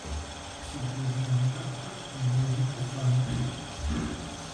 Си гурылъ нэхъ щэхухэр си ныбжьэгъум хуэсӏуатэрт.